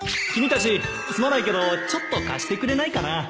君たちすまないけどちょっと貸してくれないかな？